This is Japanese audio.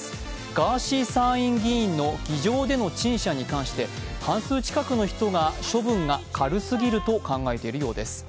ガーシー参議院議員の議場での陳謝に関して、半数近くの人が処分が軽すぎると考えているようです。